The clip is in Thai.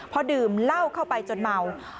พอดื่มเหล้าเข้าไปจนเมา